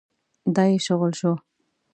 دا يې شغل شو.